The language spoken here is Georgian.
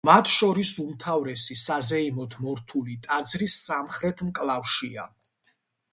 მათ შორის უმთავრესი, საზეიმოდ მორთული, ტაძრის სამხრეთ მკლავშია.